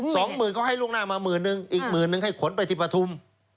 สองหมื่นเขาให้ล่วงหน้ามาหมื่นนึงอีกหมื่นนึงให้ขนไปที่ปฐุม